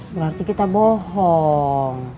berarti kita bohong